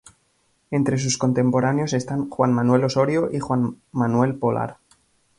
Entre sus contemporáneos están Juan Manuel Osorio y Juan Manuel Polar.